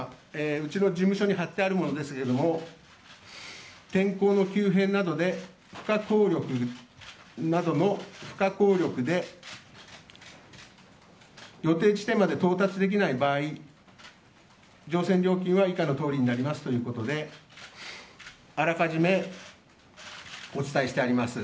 うちの事務所に貼ってあるものですけども天候の急変などの不可抗力で予定地点まで到達できない場合は乗船料金は以下のとおりになりますということであらかじめ、お伝えしてあります。